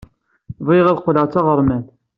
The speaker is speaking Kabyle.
Bɣiɣ ad qqleɣ d taɣermant.